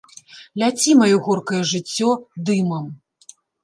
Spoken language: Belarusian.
Ляці, маё горкае жыццё, дымам!